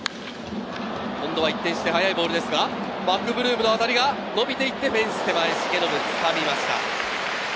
今度は一転して速いボールですがマクブルーム、当たりが伸びていって、フェンス手前、重信、つかみました。